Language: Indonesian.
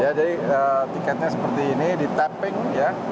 ya jadi tiketnya seperti ini di tapping ya